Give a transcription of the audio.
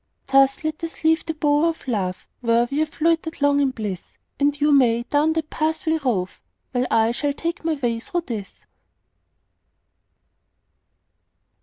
Thus let us leave the bower of love, Where we have loitered long in bliss; And you may down that pathway rove, While I shall take my way through this.